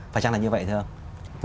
phải chăng là như vậy thưa ông